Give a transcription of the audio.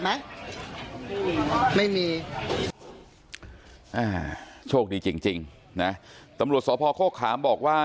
ไหมไม่มีอ่าโชคดีจริงจริงนะตำรวจสพโฆขามบอกว่า